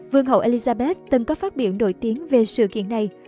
vương hậu alizabeth từng có phát biểu nổi tiếng về sự kiện này